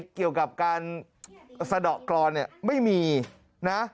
เกี่ยวกับการสะดอกกรอนเนี่ยไม่มีนะ